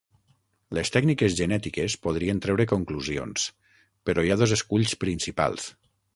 Les tècniques genètiques podrien treure conclusions però hi ha dos esculls principals.